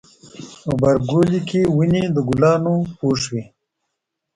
غبرګولی کې ونې د ګلانو پوښ وي.